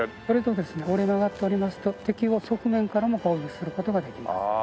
それとですね折れ曲がっておりますと敵を側面からも攻撃する事ができます。